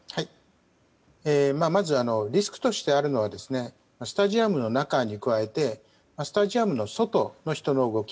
まずリスクとしてあるのはスタジアムの中に加えてスタジアムの外の人の動き。